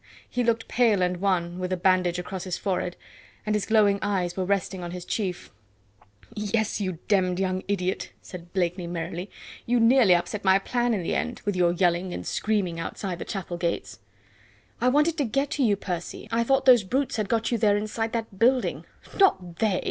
He looked pale and wan, with a bandage across his forehead, and his glowing eyes were resting on his chief. "Yes! you demmed young idiot," said Blakeney merrily, "you nearly upset my plan in the end, with your yelling and screaming outside the chapel gates." "I wanted to get to you, Percy. I thought those brutes had got you there inside that building." "Not they!"